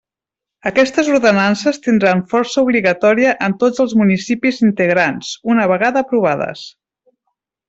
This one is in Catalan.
Aquestes ordenances tindran força obligatòria en tots els municipis integrants, una vegada aprovades.